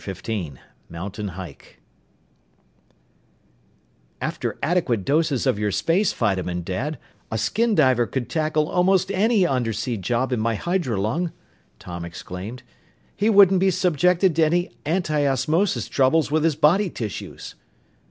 CHAPTER XV MOUNTAIN HIKE "After adequate doses of your space vitamin, Dad, a skin diver could tackle almost any undersea job in my hydrolung!" Tom exclaimed. "He wouldn't be subjected to any antiosmosis troubles with his body tissues."